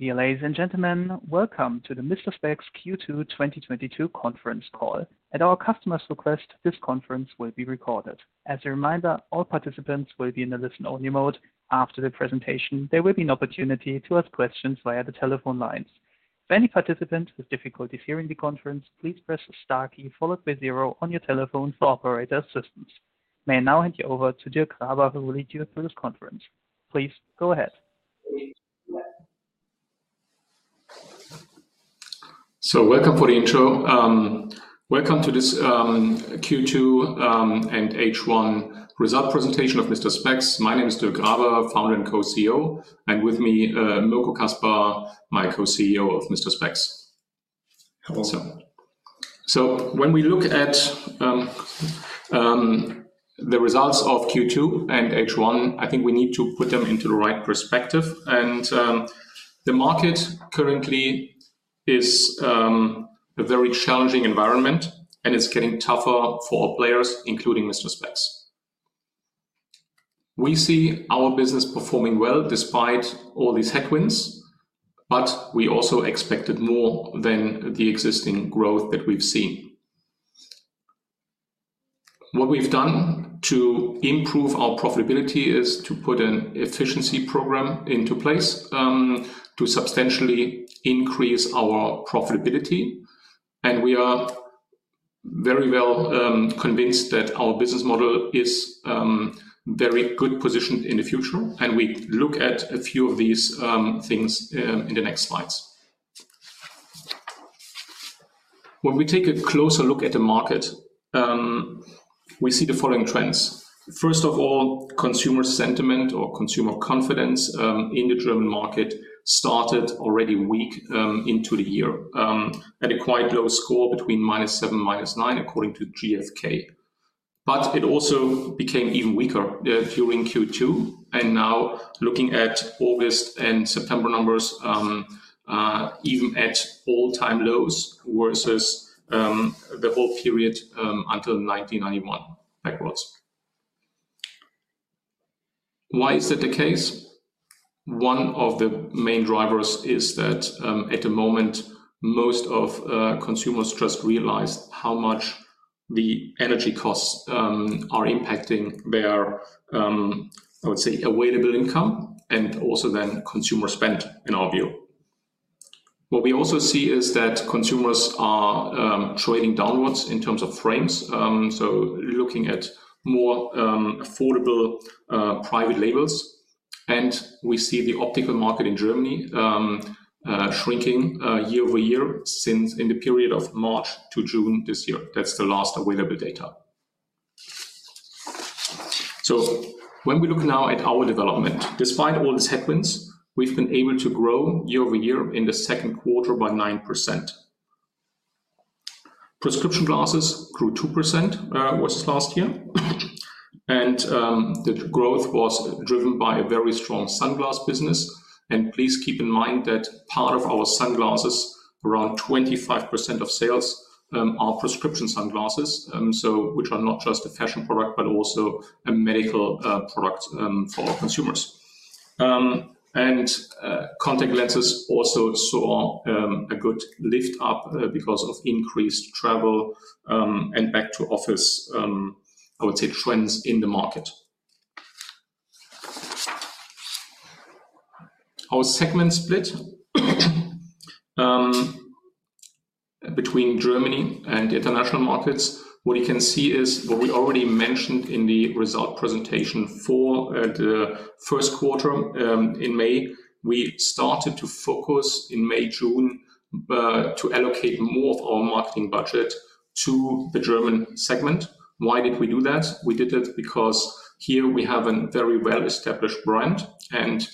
Dear ladies and gentlemen, welcome to the Mister Spex Q2 2022 conference call. At our customers' request, this conference will be recorded. As a reminder, all participants will be in a listen-only mode. After the presentation, there will be an opportunity to ask questions via the telephone lines. If any participant has difficulties hearing the conference, please press the star key followed by zero on your telephone for operator assistance. May I now hand you over to Dirk Graber, who will lead you through this conference. Please go ahead. Welcome for the intro. Welcome to this Q2 and H1 result presentation of Mister Spex. My name is Dirk Graber, Founder and Co-CEO, and with me, Mirko Caspar, my Co-CEO of Mister Spex. Hello. When we look at the results of Q2 and H1, I think we need to put them into the right perspective. The market currently is a very challenging environment, and it's getting tougher for all players, including Mister Spex. We see our business performing well despite all these headwinds, but we also expected more than the existing growth that we've seen. What we've done to improve our profitability is to put an efficiency program into place to substantially increase our profitability. We are very well convinced that our business model is very good positioned in the future, and we look at a few of these things in the next slides. When we take a closer look at the market, we see the following trends. First of all, consumer sentiment or consumer confidence in the German market started already weak into the year at a quite low score between -seven, -nine according to GfK. It also became even weaker during Q2 and now looking at August and September numbers, even at all-time lows versus the whole period until 1991 backwards. Why is that the case? One of the main drivers is that at the moment most of consumers just realized how much the energy costs are impacting their I would say available income and also then consumer spend in our view. What we also see is that consumers are trading downwards in terms of frames so looking at more affordable private labels. We see the optical market in Germany shrinking year-over-year in the period of March to June this year. That's the last available data. When we look now at our development, despite all these headwinds, we've been able to grow year-over-year in the second quarter by 9%. Prescription glasses grew 2% versus last year, and the growth was driven by a very strong sunglasses business. Please keep in mind that part of our sunglasses, around 25% of sales, are prescription sunglasses, which are not just a fashion product, but also a medical product for consumers. Contact lenses also saw a good lift up because of increased travel and back-to-office trends in the market. Our segment split between Germany and the international markets. What you can see is what we already mentioned in the results presentation for the first quarter in May. We started to focus in May, June, to allocate more of our marketing budget to the German segment. Why did we do that? We did it because here we have a very well-established brand, and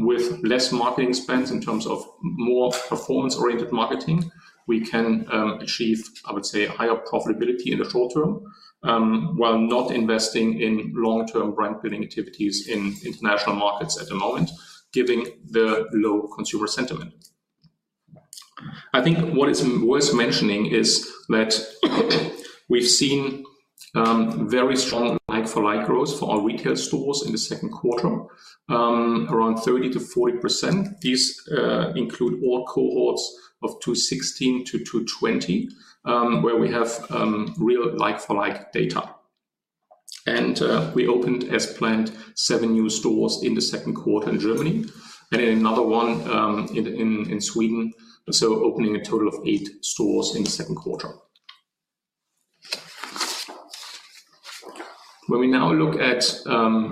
with less marketing spends in terms of more performance-oriented marketing, we can achieve, I would say, higher profitability in the short term, while not investing in long-term brand building activities in international markets at the moment, given the low consumer sentiment. I think what is worth mentioning is that we've seen very strong like-for-like growth for our retail stores in the second quarter, around 30%-40%. These include all cohorts of 2016-2020, where we have real like-for-like data. We opened as planned seven new stores in the second quarter in Germany and another one in Sweden, so opening a total of eight stores in the second quarter. When we now look at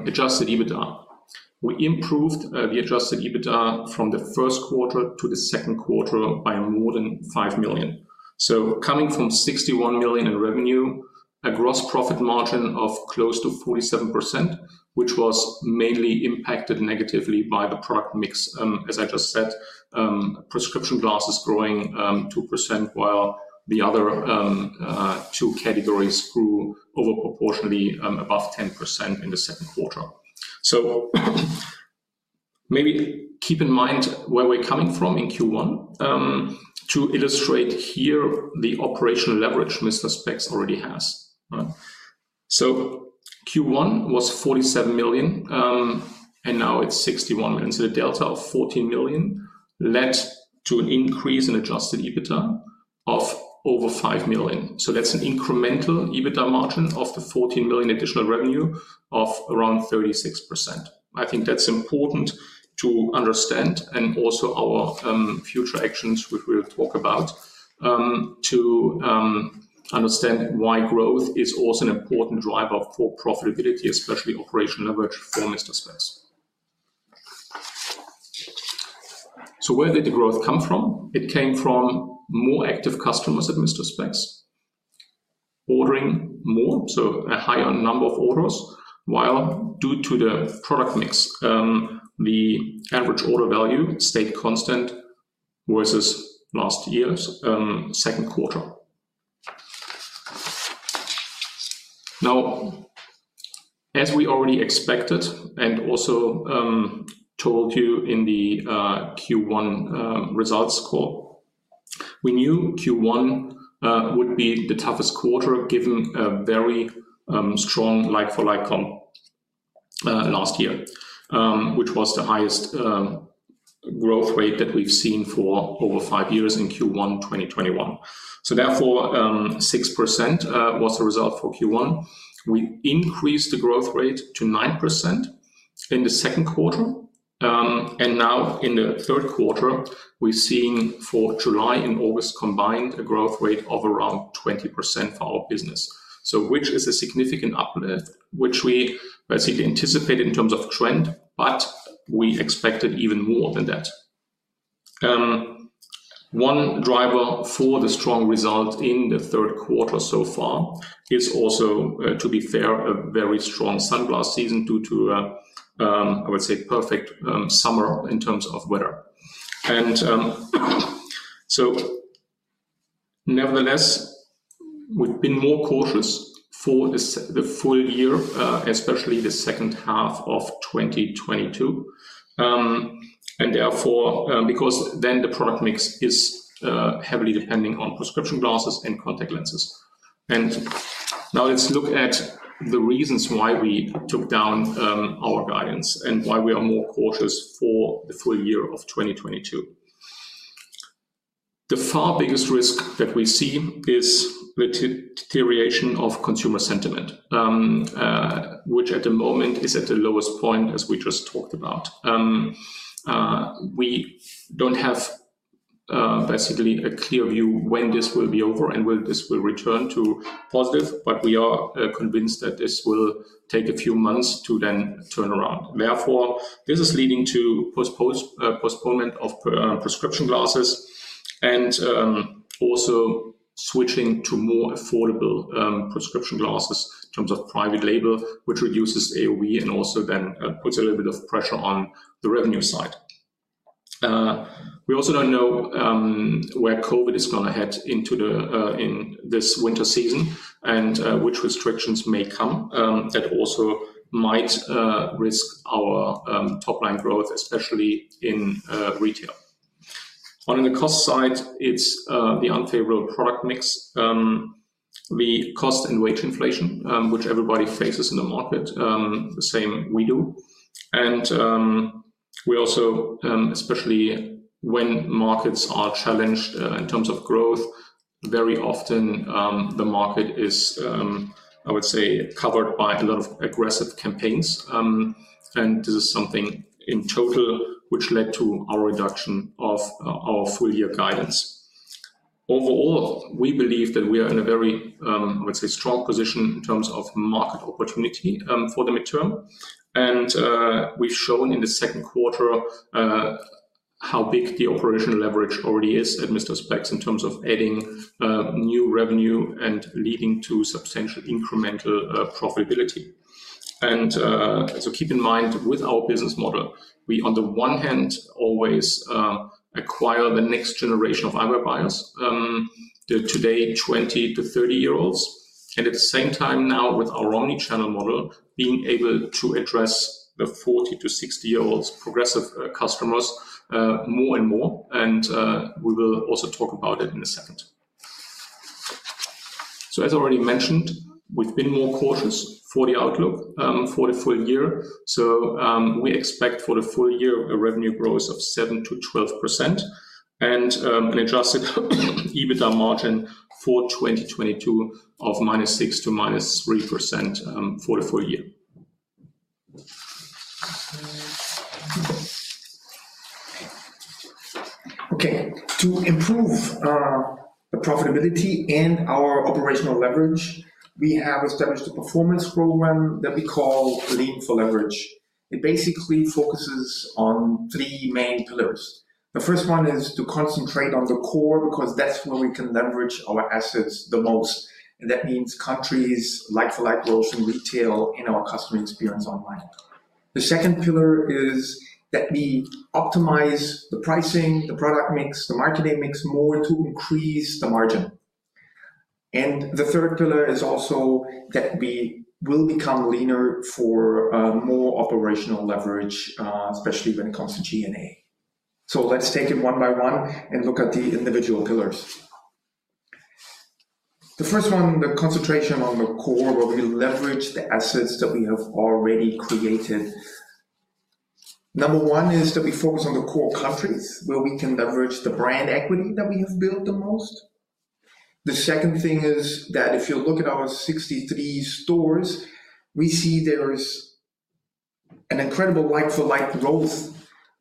adjusted EBITDA, we improved the adjusted EBITDA from the first quarter to the second quarter by more than 5 million. Coming from 61 million in revenue, a gross profit margin of close to 47%, which was mainly impacted negatively by the product mix. As I just said, prescription glasses growing 2%, while the other two categories grew over proportionally above 10% in the second quarter. Maybe keep in mind where we're coming from in Q1 to illustrate here the operational leverage Mister Spex already has. Right. Q1 was 47 million, and now it's 61 million. The delta of 14 million led to an increase in adjusted EBITDA of over 5 million. That's an incremental EBITDA margin of the 14 million additional revenue of around 36%. I think that's important to understand, and also our future actions, which we'll talk about, to understand why growth is also an important driver for profitability, especially operational leverage for Mister Spex. Where did the growth come from? It came from more active customers at Mister Spex ordering more, so a higher number of orders. While due to the product mix, the average order value stayed constant versus last year's second quarter. Now, as we already expected and also told you in the Q1 results call, we knew Q1 would be the toughest quarter, given a very strong like-for-like comp last year, which was the highest growth rate that we've seen for over five years in Q1 2021. Therefore, 6% was the result for Q1. We increased the growth rate to 9% in the second quarter. Now in the third quarter, we're seeing for July and August combined a growth rate of around 20% for our business. Which is a significant uplift, which we basically anticipated in terms of trend, but we expected even more than that. One driver for the strong result in the third quarter so far is also, to be fair, a very strong sunglasses season due to, I would say, perfect summer in terms of weather. Nevertheless, we've been more cautious for the full year, especially the second half of 2022, and therefore, because then the product mix is heavily depending on prescription glasses and contact lenses. Now let's look at the reasons why we took down our guidance and why we are more cautious for the full year of 2022. By far the biggest risk that we see is the deterioration of consumer sentiment, which at the moment is at the lowest point, as we just talked about. We don't have basically a clear view when this will be over and this will return to positive, but we are convinced that this will take a few months to then turn around. Therefore, this is leading to postponement of prescription glasses and also switching to more affordable prescription glasses in terms of private label, which reduces AOV and also then puts a little bit of pressure on the revenue side. We also don't know where COVID is gonna head into in this winter season and which restrictions may come that also might risk our top-line growth, especially in retail. On the cost side, it's the unfavorable product mix. The cost and wage inflation, which everybody faces in the market, the same we do. We also, especially when markets are challenged in terms of growth, very often the market is, I would say, covered by a lot of aggressive campaigns. This is something in total which led to our reduction of our full year guidance. Overall, we believe that we are in a very, let's say, strong position in terms of market opportunity for the midterm. We've shown in the second quarter how big the operational leverage already is at Mister Spex in terms of adding new revenue and leading to substantial incremental profitability. Keep in mind, with our business model, we on the one hand always acquire the next generation of eyewear buyers, the today 20-30 year-olds, and at the same time now with our omnichannel model, being able to address the 40-60 year-olds progressive customers, more and more, and we will also talk about it in a second. As already mentioned, we've been more cautious for the outlook, for the full year. We expect for the full year a revenue growth of 7%-12% and an adjusted EBITDA margin for 2022 of -6% to -3%, for the full year. Okay. To improve the profitability and our operational leverage, we have established a performance program that we call Lean for Leverage. It basically focuses on three main pillars. The first one is to concentrate on the core, because that's where we can leverage our assets the most, and that means countries like-for-like growth in retail and our customer experience online. The second pillar is that we optimize the pricing, the product mix, the marketing mix more to increase the margin. The third pillar is also that we will become leaner for more operational leverage, especially when it comes to G&A. Let's take it one by one and look at the individual pillars. The first one, the concentration on the core where we leverage the assets that we have already created. Number one is that we focus on the core countries where we can leverage the brand equity that we have built the most. The second thing is that if you look at our 63 stores, we see there is an incredible like for like growth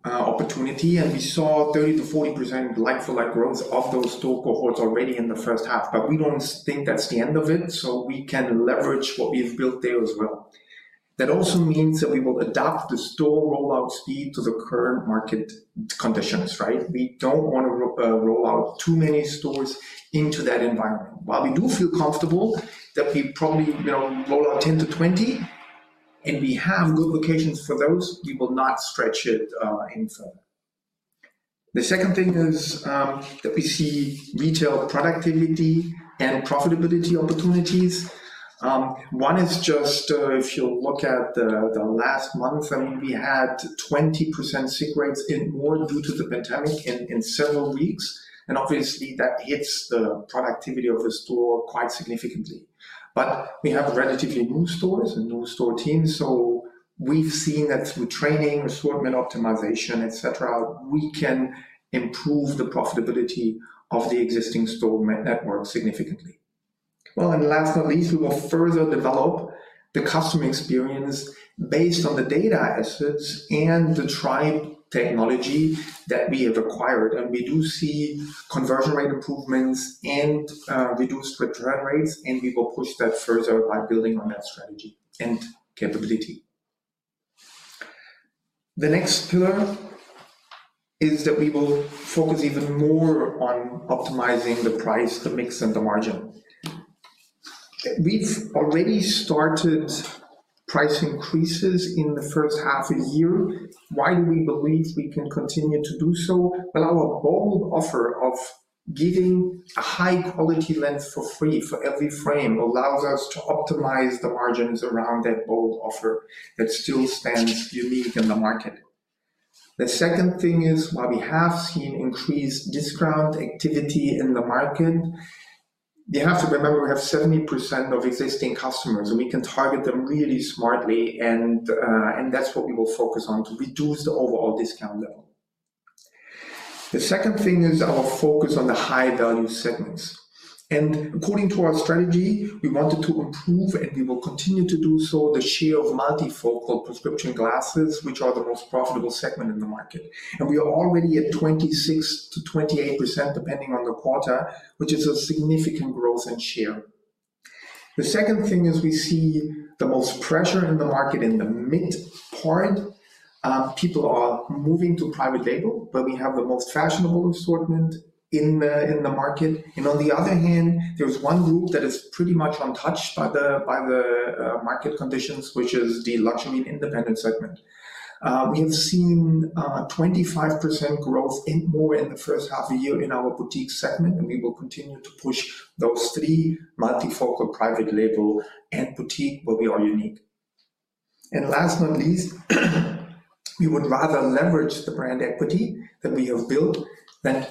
opportunity, and we saw 30%-40% like for like growth of those store cohorts already in the first half. We don't think that's the end of it, so we can leverage what we've built there as well. That also means that we will adapt the store rollout speed to the current market conditions, right? We don't want to roll out too many stores into that environment. While we do feel comfortable that we probably will roll out 10-20 and we have good locations for those, we will not stretch it any further. The second thing is that we see retail productivity and profitability opportunities. One is just if you look at the last month, I mean, we had 20% sick rates, more due to the pandemic in several weeks, and obviously that hits the productivity of a store quite significantly. We have relatively new stores and new store teams, so we've seen that through training, assortment optimization, et cetera, we can improve the profitability of the existing store network significantly. Well, last but not least, we will further develop the customer experience based on the data assets and the Tribe technology that we have acquired. We do see conversion rate improvements and reduced return rates, and we will push that further by building on that strategy and capability. The next pillar is that we will focus even more on optimizing the price, the mix, and the margin. We've already started price increases in the first half of the year. Why do we believe we can continue to do so? Well, our bold offer of giving a high-quality lens for free for every frame allows us to optimize the margins around that bold offer that still stands unique in the market. The second thing is, while we have seen increased discount activity in the market, we have to remember we have 70% of existing customers, and we can target them really smartly and that's what we will focus on to reduce the overall discount level. The second thing is our focus on the high-value segments. According to our strategy, we wanted to improve, and we will continue to do so, the share of multifocal prescription glasses, which are the most profitable segment in the market. We are already at 26%-28%, depending on the quarter, which is a significant growth in share. The second thing is we see the most pressure in the market in the mid part. People are moving to private label, but we have the most fashionable assortment in the market. On the other hand, there's one group that is pretty much untouched by the market conditions, which is the luxury and independent segment. We have seen 25% growth in the first half of the year in our Boutique segment, and we will continue to push those three, multifocal, private label, and Boutique where we are unique. Last but not least, we would rather leverage the brand equity that we have built than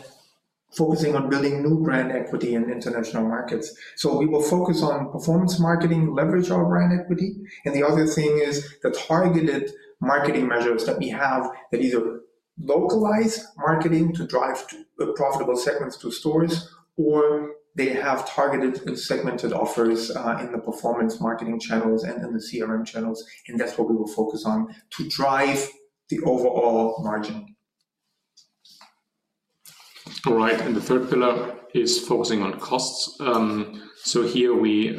focusing on building new brand equity in international markets. We will focus on performance marketing, leverage our brand equity. The other thing is the targeted marketing measures that we have that either localize marketing to drive profitable segments to stores, or they have targeted and segmented offers, in the performance marketing channels and in the CRM channels, and that's what we will focus on to drive the overall margin. All right. The third pillar is focusing on costs. Here we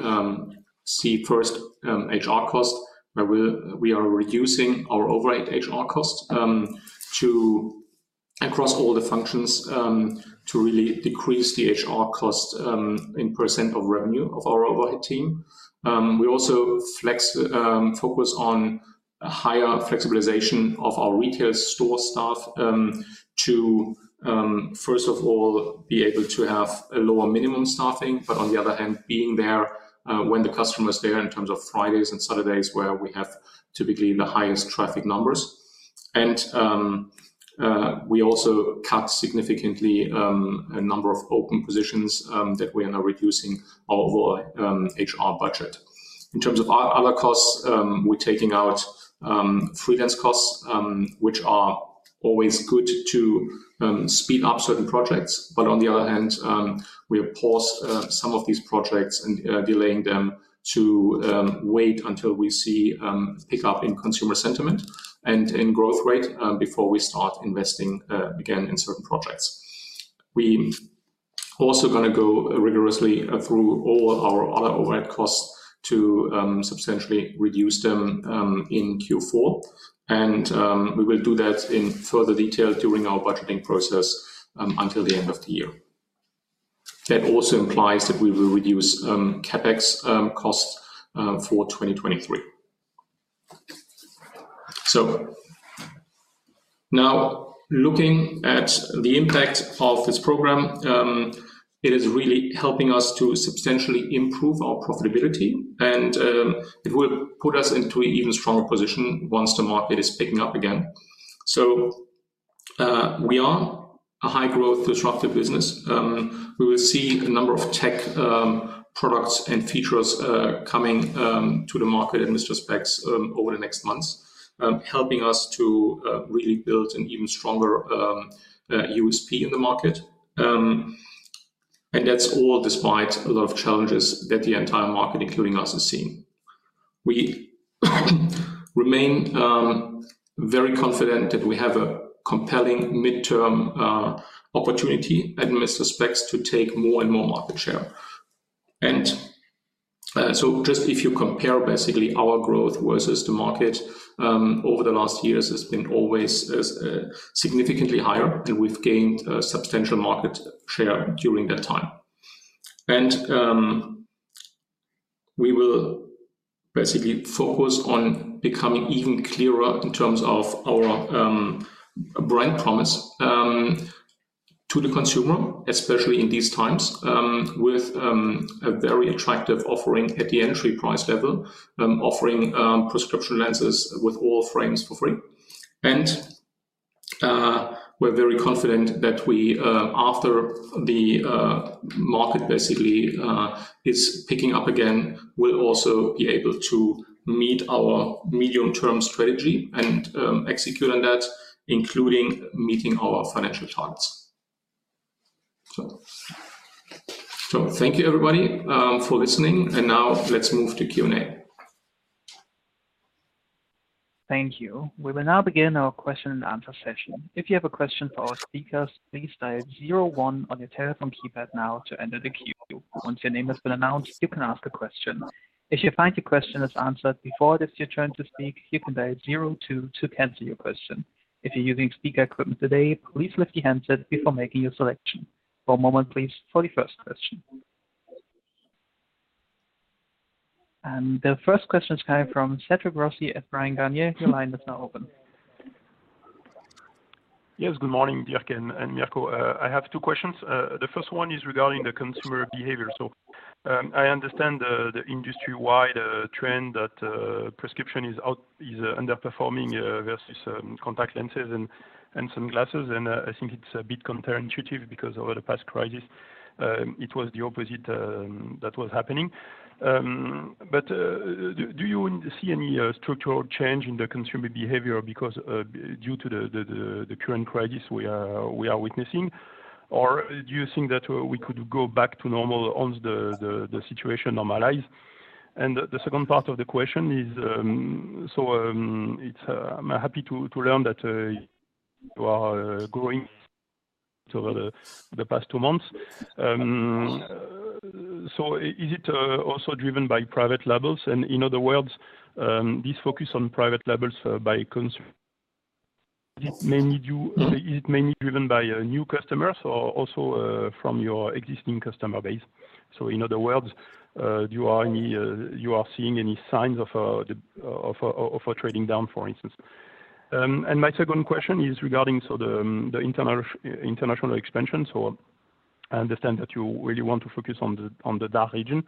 see first HR cost, where we are reducing our overhead HR costs across all the functions to really decrease the HR cost in % of revenue of our overhead team. We also focus on a higher flexibilization of our retail store staff to first of all be able to have a lower minimum staffing, but on the other hand, being there when the customer is there in terms of Fridays and Saturdays where we have typically the highest traffic numbers. We also cut significantly a number of open positions that we are now reducing our overall HR budget. In terms of other costs, we're taking out freelance costs, which are always good to speed up certain projects. On the other hand, we have paused some of these projects and delaying them to wait until we see pick up in consumer sentiment and in growth rate before we start investing again in certain projects. We also gonna go rigorously through all our other overhead costs to substantially reduce them in Q4, and we will do that in further detail during our budgeting process until the end of the year. That also implies that we will reduce CapEx costs for 2023. Now looking at the impact of this program, it is really helping us to substantially improve our profitability, and it will put us into an even stronger position once the market is picking up again. We are a high growth disruptive business. We will see a number of tech products and features coming to the market at Mister Spex over the next months, helping us to really build an even stronger USP in the market. That's all despite a lot of challenges that the entire market, including us, is seeing. We remain very confident that we have a compelling midterm opportunity at Mister Spex to take more and more market share. Just if you compare basically our growth versus the market over the last years has been always significantly higher, and we've gained a substantial market share during that time. We will basically focus on becoming even clearer in terms of our brand promise to the consumer, especially in these times with a very attractive offering at the entry price level, offering prescription lenses with all frames for free. We're very confident that we, after the market basically is picking up again, will also be able to meet our medium-term strategy and execute on that, including meeting our financial targets. So thank you, everybody, for listening. Now let's move to Q&A. Thank you. We will now begin our question and answer session. If you have a question for our speakers, please dial zero one on your telephone keypad now to enter the queue. Once your name has been announced, you can ask a question. If you find your question is answered before it is your turn to speak, you can dial zero two to cancel your question. If you're using speaker equipment today, please lift your handset before making your selection. One moment, please, for the first question. The first question is coming from Cédric Rossi at Bryan, Garnier & Co. Your line is now open. Yes. Good morning, Dirk and Mirko. I have two questions. The first one is regarding the consumer behavior. I understand the industry-wide trend that prescription is underperforming versus contact lenses and sunglasses. I think it's a bit counterintuitive because over the past crisis, it was the opposite that was happening. Do you see any structural change in the consumer behavior because due to the current crisis we are witnessing? Or do you think that we could go back to normal once the situation normalize? The second part of the question is, I'm happy to learn that you are growing through the past two months. Is it also driven by private labels? In other words, this focus on private labels. Is it mainly driven by new customers or also from your existing customer base? In other words, are you seeing any signs of a trading down, for instance? My second question is regarding the international expansion. I understand that you really want to focus on the DACH region.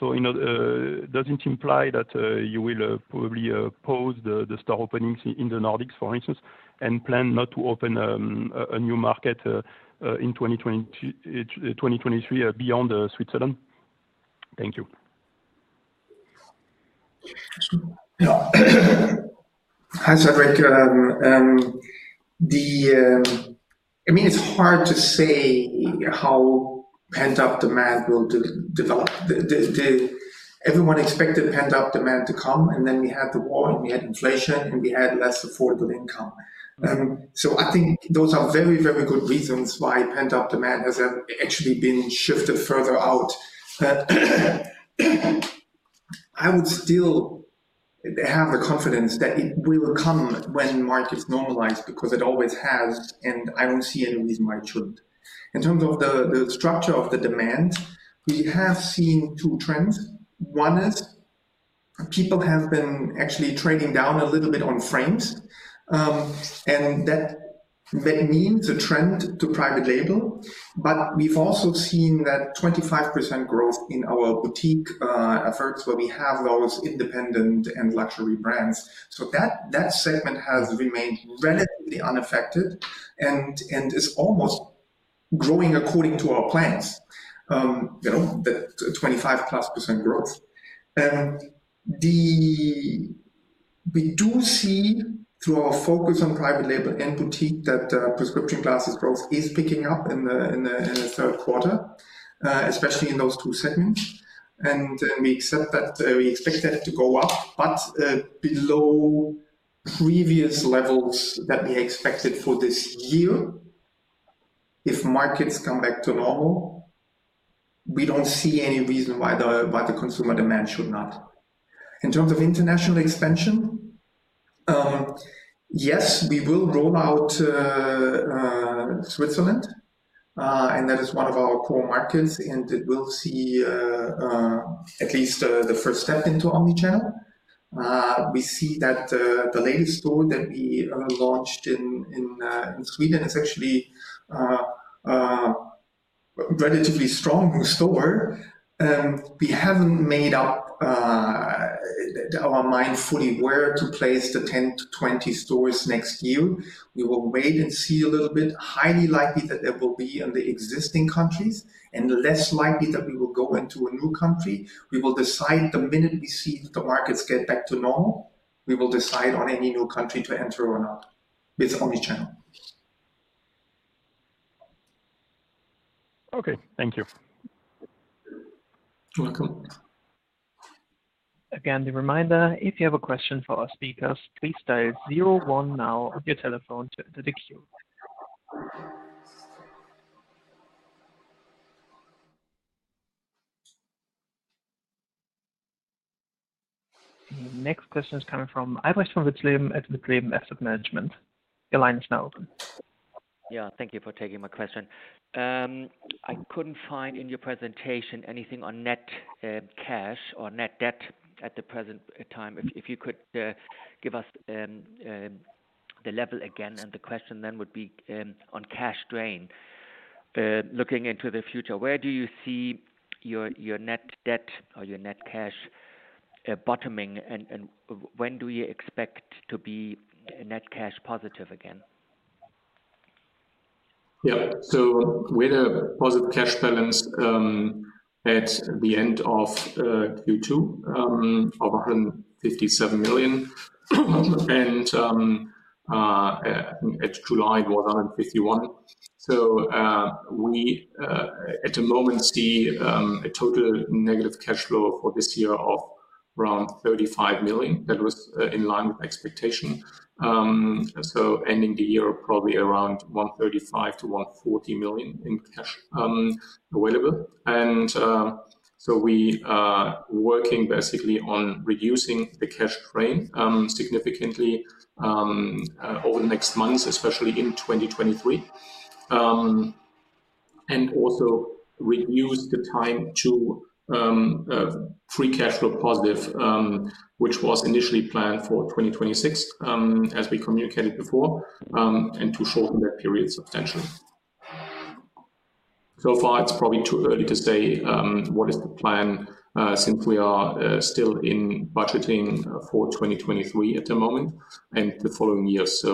You know, does it imply that you will probably pause the store openings in the Nordics, for instance, and plan not to open a new market in 2023 beyond Switzerland? Thank you. Yeah. Hi, Cédric. I mean, it's hard to say how pent-up demand will develop. Everyone expected pent-up demand to come, and then we had the war, and we had inflation, and we had less affordable income. I think those are very, very good reasons why pent-up demand has actually been shifted further out. I would still have the confidence that it will come when markets normalize, because it always has, and I don't see any reason why it shouldn't. In terms of the structure of the demand, we have seen two trends. One is people have been actually trading down a little bit on frames, and that may mean the trend to private label. We've also seen that 25% growth in our Boutique efforts where we have those independent and luxury brands. That segment has remained relatively unaffected and is almost growing according to our plans. You know, the 25%+ growth. We do see through our focus on private label and boutique that prescription glasses growth is picking up in the third quarter, especially in those two segments. We expect that to go up, but below previous levels that we expected for this year. If markets come back to normal, we don't see any reason why the consumer demand should not. In terms of international expansion, yes, we will roll out Switzerland, and that is one of our core markets, and it will see at least the first step into omnichannel. We see that the latest store that we launched in Sweden is actually Relatively strong store. We haven't made up our mind fully where to place the 10-20 stores next year. We will wait and see a little bit. Highly likely that they will be in the existing countries, and less likely that we will go into a new country. We will decide the minute we see the markets get back to normal, we will decide on any new country to enter or not with omnichannel. Okay. Thank you. You're welcome. Again, the reminder, if you have a question for our speakers, please dial zero one now on your telephone to enter the queue. The next question is coming from Albrecht von Witzleben at von Witzleben Asset Management. Your line is now open. Yeah. Thank you for taking my question. I couldn't find in your presentation anything on net cash or net debt at the present time. If you could give us the level again, and the question then would be on cash drain. Looking into the future, where do you see your net debt or your net cash bottoming? When do you expect to be net cash positive again? Yeah. With a positive cash balance at the end of Q2 of 157 million. At July it was 151. We at the moment see a total negative cash flow for this year of around 35 million. That was in line with expectation. Ending the year probably around 135 million-140 million in cash available. We are working basically on reducing the cash drain significantly over the next months, especially in 2023. And also reduce the time to free cash flow positive, which was initially planned for 2026, as we communicated before, and to shorten that period substantially. So far, it's probably too early to say what is the plan, since we are still in budgeting for 2023 at the moment and the following years.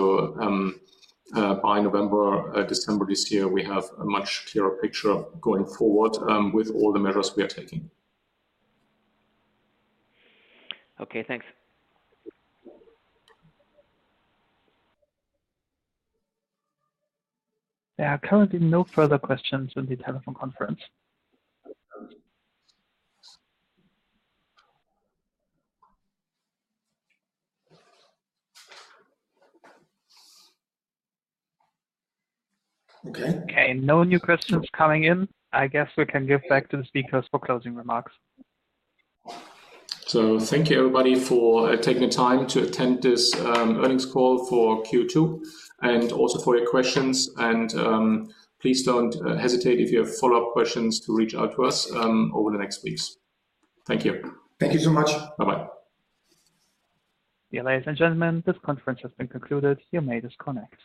By November or December this year, we have a much clearer picture going forward with all the measures we are taking. Okay, thanks. There are currently no further questions on the telephone conference. Okay. Okay. No new questions coming in. I guess we can give back to the speakers for closing remarks. Thank you, everybody, for taking the time to attend this earnings call for Q2, and also for your questions. Please don't hesitate if you have follow-up questions to reach out to us over the next weeks. Thank you. Thank you so much. Bye-bye. Yeah. Ladies and gentlemen, this conference has been concluded. You may disconnect.